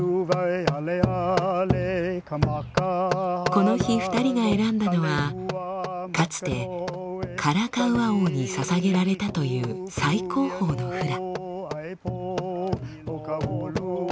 この日２人が選んだのはかつてカラカウア王にささげられたという最高峰のフラ。